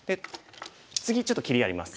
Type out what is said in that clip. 次ちょっと切りあります。